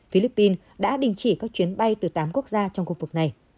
philippines đã đình chỉ các chuyến bay từ tám quốc gia trong khu vực này